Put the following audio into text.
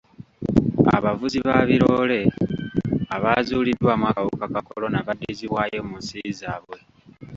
Abavuzi ba biroole abaazuuliddwamu akawuka ka kolona baddiziddwayo mu nsi zaabwe.